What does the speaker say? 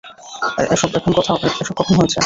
এসব কখন হয়েছে?